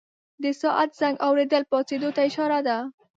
د ساعت زنګ اورېدل پاڅېدو ته اشاره ده.